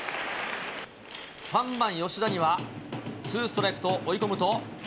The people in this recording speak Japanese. ３番よしだにはツーストライクと追い込むと。